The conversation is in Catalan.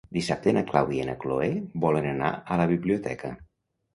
Dissabte na Clàudia i na Cloè volen anar a la biblioteca.